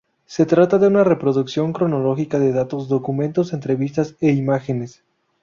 Se trata de una reproducción cronológica de datos, documentos, entrevistas e imágenes.